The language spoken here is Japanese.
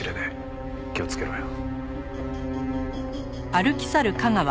気をつけろよ。